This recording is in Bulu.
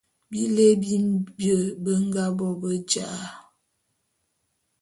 Bilé bi mbie be nga bo be jaé'.